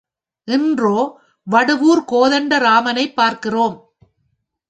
இன்றோ வடுவூர்கோதண்ட ராமனைப் பார்க்கிறோம்.